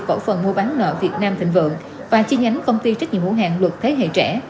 cổ phần mua bán nợ việt nam thịnh vượng và chi nhánh công ty trách nhiệm hữu hạng luật thế hệ trẻ